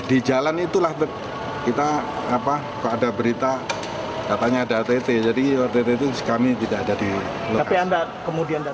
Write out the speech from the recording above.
di jalan itulah kita apa kok ada berita katanya ada ott jadi ott itu kami tidak ada di luar